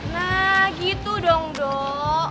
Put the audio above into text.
nah gitu dong dok